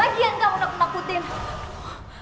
bagian kamu nak menakutin